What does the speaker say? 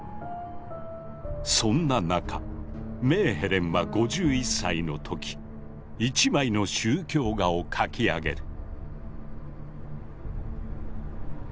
そんな中メーヘレンは５１歳の時一枚の宗教画を描き上げる。